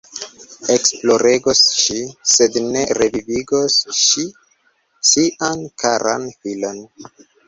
Ekploregos ŝi, sed ne revivigos ŝi sian karan filon!